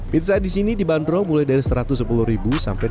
pizza di sini dibanderol mulai dari rp satu ratus sepuluh sampai dua ratus